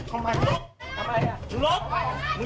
เห้ยแม่พูด